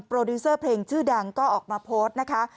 ดิวเซอร์เพลงชื่อดังก็ออกมาโพสต์นะคะ